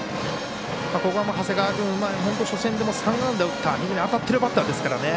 ここは長谷川君、初戦で３安打打った、当たってるバッターですからね。